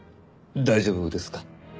大丈夫ですか？